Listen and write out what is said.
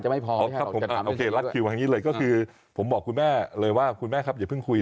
เอาอีกสิ้นย้อนนิดนึงผมบอกคุณแม่เลยว่าคุณแม่ครับอย่าเพิ่งคุย